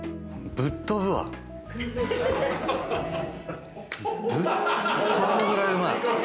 ぶっ飛ぶぐらいうまい。